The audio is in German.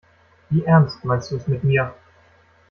Wie ernst meinst du es mit mir?